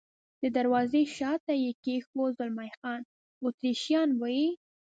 د دروازې شاته یې کېښود، زلمی خان: اتریشیان به یې.